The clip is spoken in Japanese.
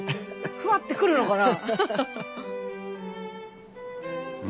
ふわってくるのかな？